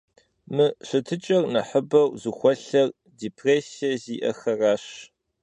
Мы щытыкӀэр нэхъыбэу зыхуэлъэр депрессие зиӀэхэращ.